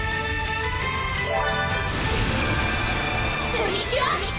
プリキュア！